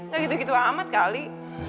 gak gitu gitu amat kak ali